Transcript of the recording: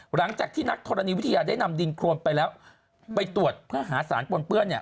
หลังจากที่นักธรณีวิทยาได้นำดินโครนไปแล้วไปตรวจเพื่อหาสารปนเปื้อนเนี่ย